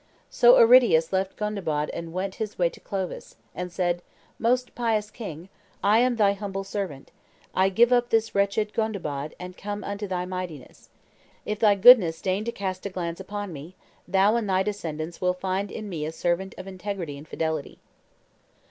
So Aridius left Gondebaud and went his way to Clovis, and said, "Most pious king, I am thy humble servant; I give up this wretched Gondebaud, and come unto thy mightiness. If thy goodness deign to cast a glance upon me, thou and thy descendants will find in me a servant of integrity and fidelity."